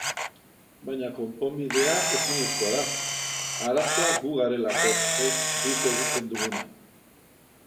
Baina konponbidea ezinezkoa da, arazoa gu garelako, ez guk egiten duguna.